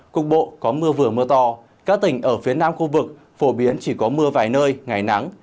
cục bộ có mưa vừa mưa to các tỉnh ở phía nam khu vực phổ biến chỉ có mưa vài nơi ngày nắng